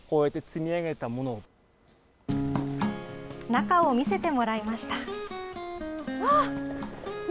中を見せてもらいました。